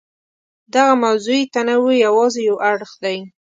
دغه موضوعي تنوع یې یوازې یو اړخ دی.